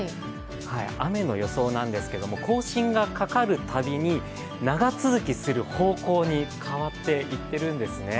雨の予想なんですが、更新がかかるたびに長続きする方向に変わっていってるんですね。